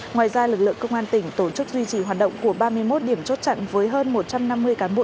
ngoài ra lực lượng công an tỉnh tổ chức duy trì hoạt động của ba mươi một điểm chốt chặn với hơn một trăm năm mươi cán bộ